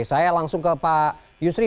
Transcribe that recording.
saya langsung ke pak yusri